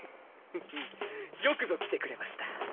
よくぞ来てくれました。